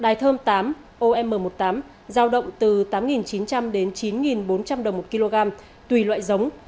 i thơm tám om một mươi tám giao động từ tám chín trăm linh đến chín bốn trăm linh đồng một kg tùy loại giống